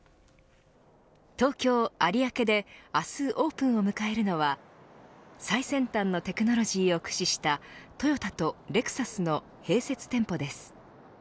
東京、有明であすオープンを迎えるのは最先端のテクノロジーを駆使したトヨタとレクサスの併設店舗です。